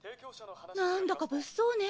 なんだか物騒ね。